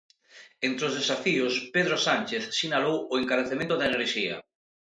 Entre os desafíos, Pedro Sánchez sinalou o encarecemento da enerxía.